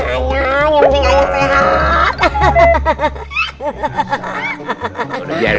ayah nyamping ayah sehat